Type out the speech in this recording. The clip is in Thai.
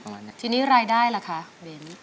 บิ๊กโซที่นี่รายได้เหรอคะเบน